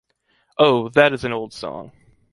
Oh, that is an old song!